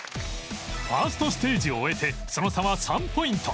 １ｓｔ ステージを終えてその差は３ポイント